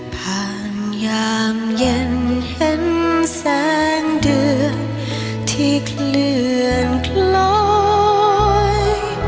ผ่านยามเย็นเห็นแสงเดือนที่เคลื่อนคล้อย